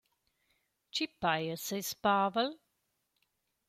Chi paja seis «pavel»?